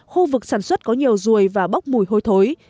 khu vực sản xuất có nhiều ruồi và bốc mùi hôi thối